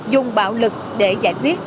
dùng bạo lực để giải quyết